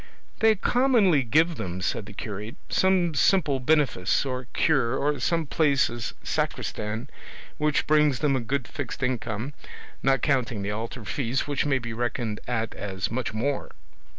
"They commonly give them," said the curate, some simple benefice or cure, or some place as sacristan which brings them a good fixed income, not counting the altar fees, which may be reckoned at as much more."